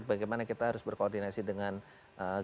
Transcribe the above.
bagaimana kita harus berkoordinasi dengan kementerian